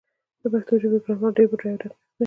د پښتو ژبې ګرامر ډېر بډایه او دقیق دی.